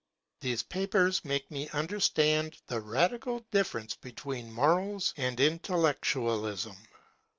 These papers make me under stand 'the radical difference between morals and intellectualism.